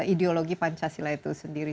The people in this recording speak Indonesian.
ideologi pancasila itu sendiri